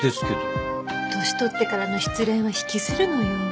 年取ってからの失恋は引きずるのよ。